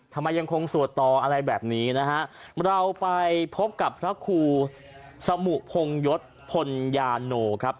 ยังคงสวดต่ออะไรแบบนี้นะฮะเราไปพบกับพระครูสมุพงยศพลยาโนครับ